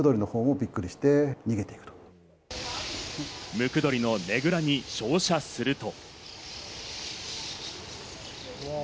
ムクドリのねぐらに照射すると。